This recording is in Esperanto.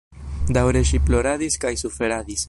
Daŭre ŝi ploradis kaj suferadis.